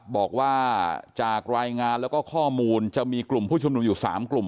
บอกว่าจากรายงานแล้วก็ข้อมูลจะมีกลุ่มผู้ชุมนุมอยู่๓กลุ่ม